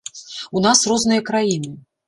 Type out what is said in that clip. У нас розныя краіны.